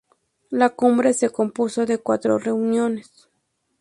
La Cumbre se compuso de cuatro reuniones.